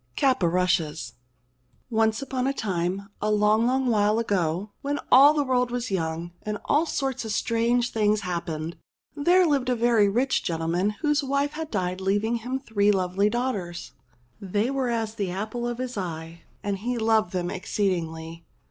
CAPORUSHES ONCE upon a time, a long, long while ago, when all the world was young and all sorts of strange things happened, there lived a very rich gentleman whose wife had died leaving him three lovely daughters. They were as the apple of his eye, and he loved them exceedingly.